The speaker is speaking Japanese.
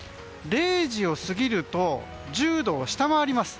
０時を過ぎると１０度を下回ります。